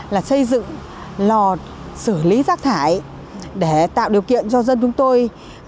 là xây dựng lò xử lý rác thải để tạo điều kiện cho dân chúng tôi